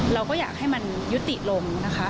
เราก็อยากให้มันยุติลงนะคะ